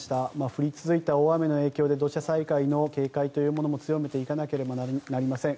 降り続いた大雨の影響で土砂災害の警戒というものも強めていかなければなりません。